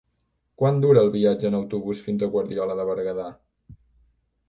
Quant dura el viatge en autobús fins a Guardiola de Berguedà?